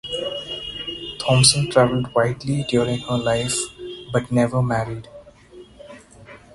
Thompson travelled widely during her life but never married.